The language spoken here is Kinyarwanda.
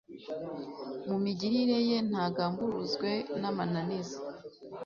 mu migirire ye ntagamburuzwe n'amananiza